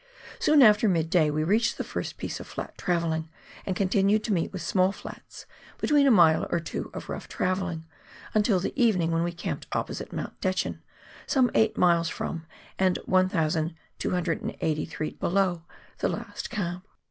Soon after mid day we reached the first piece of flat travelling, and con tinued to meet with small flats, between a mile or two of rough travelling, until the evening, when we camped opposite Mount Dechen, some eight miles from, and 1,283 ft. below, the last camp.